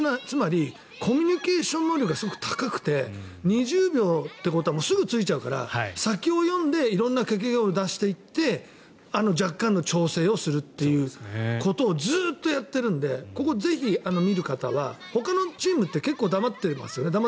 つまりコミュニケーション能力がすごく高くて２０秒ということはすぐ着いちゃうから先を読んで色んな掛け声を出していってあの若干の調整をするということをずっとやってるのでここぜひ見る方はほかのチームって結構黙ってますよね。